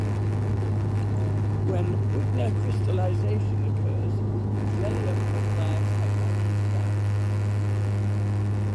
When Wigner crystallization occurs, jellium acquires a band gap.